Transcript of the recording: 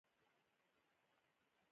بد خوی ټولنه ورانوي، خو ښه اخلاق یې ابادوي.